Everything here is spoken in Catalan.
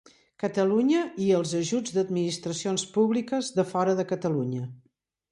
Catalunya i els ajuts d'administracions públiques de fora de Catalunya.